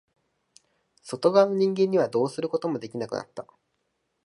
外側の人間にはどうすることもできなくなった。